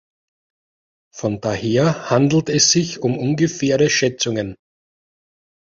Von daher handelt es sich um ungefähre Schätzungen.